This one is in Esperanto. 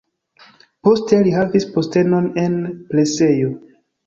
Poste li havis postenon en presejo.